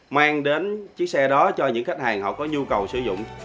mang đến chiếc xe đó cho những khách hàng họ có nhu cầu sử dụng